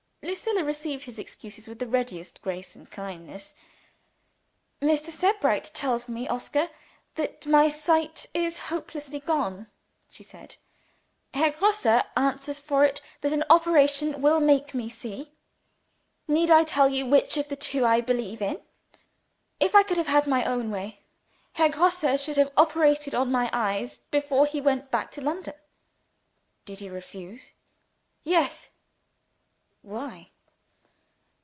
Lucilla received his excuses with the readiest grace and kindness. "Mr. Sebright tells me, Oscar, that my sight is hopelessly gone," she said. "Herr Grosse answers for it that an operation will make me see. Need I tell you which of the two I believe in? If I could have had my own way, Herr Grosse should have operated on my eyes, before he went back to London." "Did he refuse?" "Yes." "Why?"